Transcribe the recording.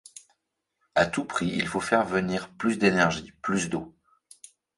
À tout prix il faut faire venir plus d'énergie, plus d'eau.